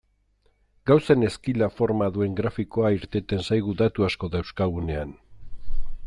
Gaussen ezkila forma duen grafikoa irteten zaigu datu asko dauzkagunean.